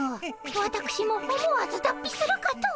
わたくしも思わず脱皮するかと。